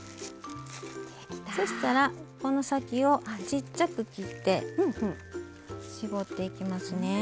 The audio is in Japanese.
そしたら、この先をちっちゃく切って絞っていきます。